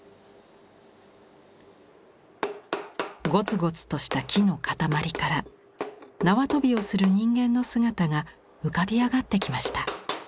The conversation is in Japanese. ごつごつとした木の塊から縄跳びをする人間の姿が浮かび上がってきました。